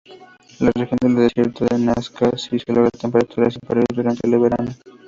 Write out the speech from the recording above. La región del desierto de Nazca si logra temperaturas superiores durante el verano.